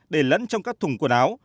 để lẫn trong các thùng quần áo